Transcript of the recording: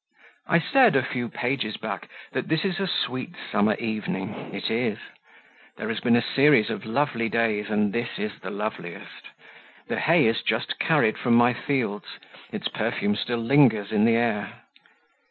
I said, a few pages back, that this is a sweet summer evening; it is there has been a series of lovely days, and this is the loveliest; the hay is just carried from my fields, its perfume still lingers in the air.